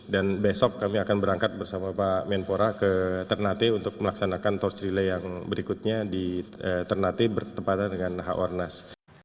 dan besok kami akan berangkat bersama pak menpora ke ternate untuk melaksanakan touch relay yang berikutnya di ternate bertepatan dengan h ornas